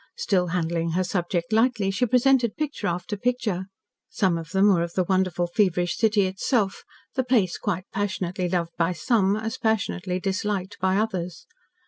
Still handling her subject lightly, she presented picture after picture. Some of them were of the wonderful, feverish city itself the place quite passionately loved by some, as passionately disliked by others.